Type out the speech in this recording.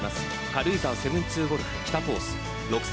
軽井沢７２ゴルフ北コース